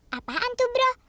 hah apaan tuh bro